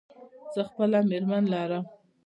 زه خپله مېرمن لرم.